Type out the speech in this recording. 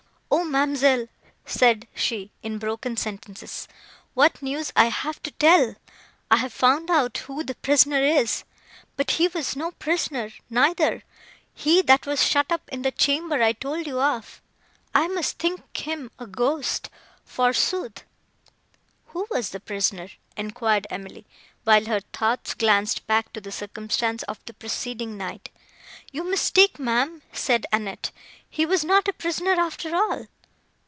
"O ma'amselle!" said she, in broken sentences, "what news I have to tell! I have found out who the prisoner is—but he was no prisoner, neither;—he that was shut up in the chamber I told you of. I must think him a ghost, forsooth!" "Who was the prisoner?" enquired Emily, while her thoughts glanced back to the circumstance of the preceding night. "You mistake, ma'am," said Annette; "he was not a prisoner, after all."